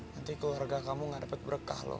nanti keluarga kamu gak dapat berkah loh